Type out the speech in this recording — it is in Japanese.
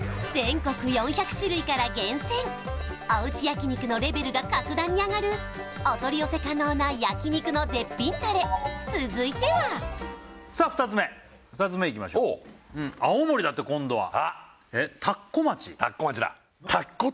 おうち焼肉のレベルが格段に上がるお取り寄せ可能な焼肉の絶品タレ続いてはさあ２つ目いきましょう青森だって今度はえっ